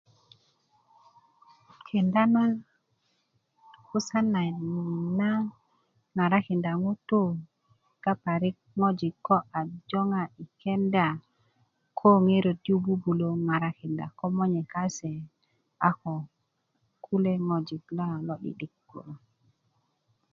kenda na 'busan nayit na ŋarakinda ŋutuu kegga parik ŋwajik ko a joŋ yi kenda ko ŋerot yu bubulö ŋarakinda ko monye kase a ko kule' ŋwajik laa lo'di'dik kulo